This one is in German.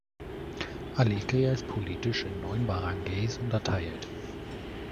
Alegria ist politisch in neun Baranggays unterteilt.